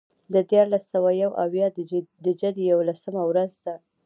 د دیارلس سوه یو اویا د جدې یوولسمه ورځ ده.